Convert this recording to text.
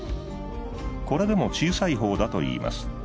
これでも小さいほうだといいます。